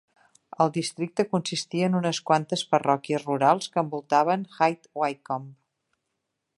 El districte consistia en unes quantes parròquies rurals que envoltaven High Wycombe.